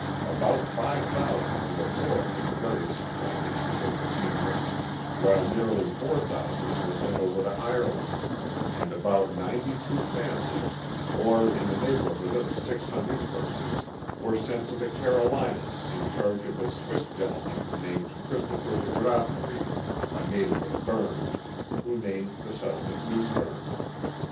About five thousand were ab sorbed in various employments vvitliin the kingdom, while nearly four thousand were sent over to Ireland, and about ninety two families, or in the neighborhood of six hundred persons, were sent to the Carolinas in charge of a Swiss gentle man named Christopher de Graffenreid, a native of Berne, who named the settlement Newberne.